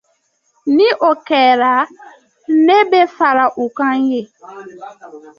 Ni o kɛra, n bɛ fara u kan yen.